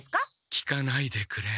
聞かないでくれ。